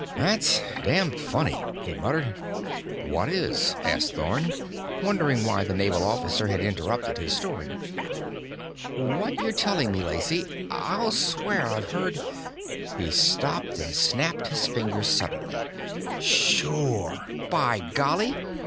"That's damned funny," he muttered. "What is?" asked Thorn, wondering why the naval officer had interrupted his story. "What you've been telling me," Lacey said. "I'll swear I've heard " He stopped and snapped his fingers suddenly. "Sure! By golly!"